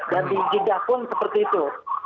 dan di jidah pun seperti itu